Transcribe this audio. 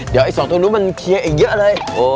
เดี๋ยวไอ้สองคุณมันเคลียร์กันเยอะเลย